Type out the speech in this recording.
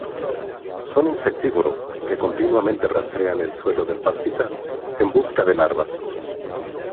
Son insectívoros, que continuamente rastrean el suelo del pastizal, en busca de larvas.